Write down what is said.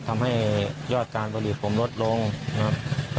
ทำให้ยอดการผลิตผมลดลงนะครับ